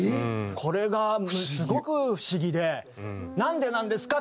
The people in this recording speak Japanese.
これがすごく不思議でなんでなんですか？